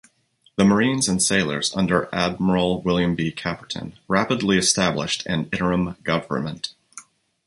The Marines and sailors under Admiral William B. Caperton rapidly reestablished an interim government.